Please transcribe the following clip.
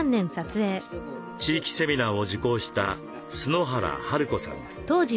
地域セミナーを受講した春原治子さんです。